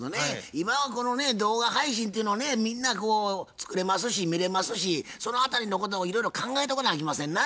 今はこのね動画配信っていうのをねみんな作れますし見れますしそのあたりのこともいろいろ考えておかなあきませんな。